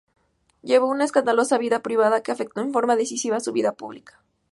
Llevó una escandalosa vida privada, que afectó en forma decisiva su vida pública.